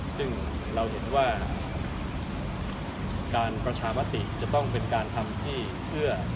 ซึ่งเราเห็นว่าการประชามติจะต้องเป็นการทำที่เพื่อ